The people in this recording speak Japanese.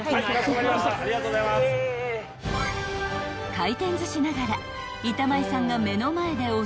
［回転寿司ながら］